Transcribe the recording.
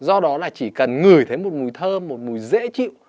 do đó là chỉ cần ngửi thấy một mùi thơm một mùi dễ chịu